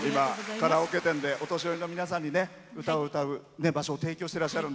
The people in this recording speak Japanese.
カラオケ店でお年寄りの皆さんに歌を歌う場所を提供していらっしゃる。